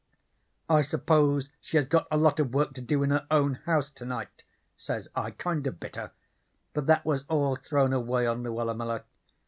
"'I suppose she has got a lot of work to do in her own house to night,' says I, kind of bitter, but that was all thrown away on Luella Miller.